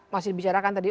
masih dibicarakan tadi